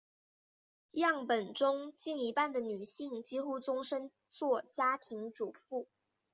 样本中近一半的女性几乎终生做家庭主妇。